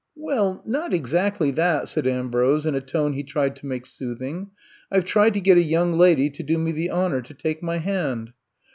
'' *'Well, not exactly that," said Ambrose in a tone he tried to make soothing. .I tried to get — a young lady to do me the honor to take my hand.